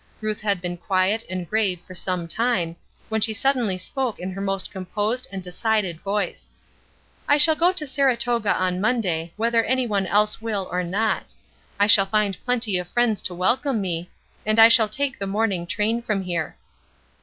Ruth had been quiet and grave for some time, when she suddenly spoke in her most composed and decided voice: "I shall go to Saratoga on Monday, whether any one else will or not; I shall find plenty of friends to welcome me, and I shall take the morning train from here."